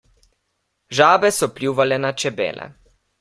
Žabe se pljuvale na čebele.